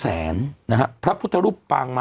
สวัสดีครับคุณผู้ชม